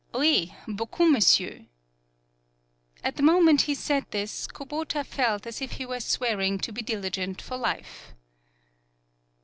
"Oui, beaucoup, monsieur!" At the moment he said this, Kubota felt as if he were swearing to be diligent for life.